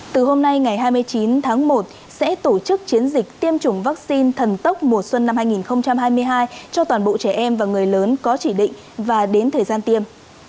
từ hôm nay ngày hai mươi chín tháng một sẽ tổ chức chiến dịch tiêm chủng vaccine thần tốc mùa xuân năm hai nghìn hai mươi hai cho toàn bộ trẻ em và người lớn có chỉ định và đến thời gian tiêm